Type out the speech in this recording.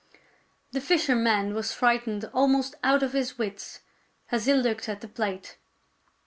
The fisherman was frightened almost out of his wits as he looked at the plate.